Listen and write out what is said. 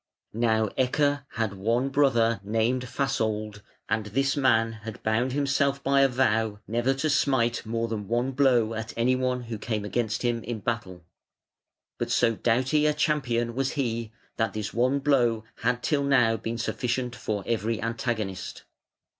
Now, Ecke had one brother named Fasold, and this man had bound himself by a vow never to smite more than one blow at any who came against him in battle. But so doughty a champion was he that this one blow had till now been sufficient for every antagonist.